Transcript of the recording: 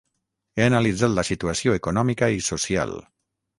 He analitzat la situació econòmica i social.